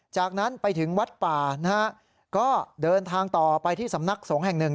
จากนั้นไปถึงวัดป่านะฮะก็เดินทางต่อไปที่สำนักสงฆ์แห่งหนึ่ง